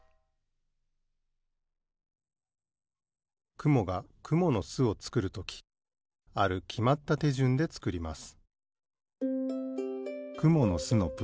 くもがくものすをつくるときあるきまったてじゅんでつくります